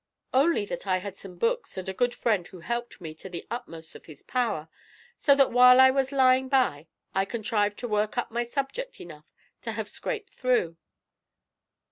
"Only that I had some books, and a good friend who helped me to the utmost of his power, so that while I was lying by I contrived to work up my subject enough to have scraped through."